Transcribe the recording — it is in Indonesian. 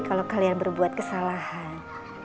kalau kalian berbuat kesalahan